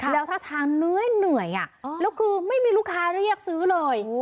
แล้วท่าทางเหนื่อยแล้วคือไม่มีลูกค้าเรียกซื้อเลย